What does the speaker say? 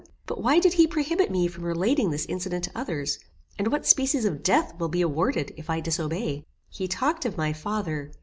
But why did he prohibit me from relating this incident to others, and what species of death will be awarded if I disobey? He talked of my father.